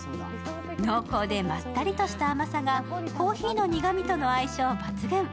濃厚でまったりとした甘さがコーヒーの苦みとの相性抜群。